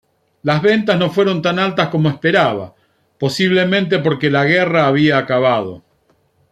Las ventas no fueron tan altas como esperaba, posiblemente porque la guerra había acabado.